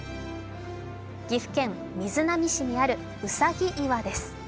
岐阜県瑞浪市にあるうさぎ岩です。